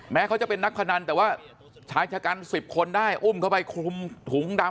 เขาจะเป็นนักพนันแต่ว่าชายชะกัน๑๐คนได้อุ้มเข้าไปคลุมถุงดำ